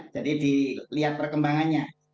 jadi dilihat perkembangannya